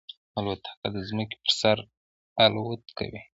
الوتکه د ځمکې پر سر الوت کوي.